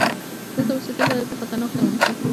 دلته اوسيدل به درته خطرناک تمام شي!